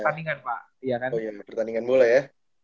oh iya pertandingan bola ya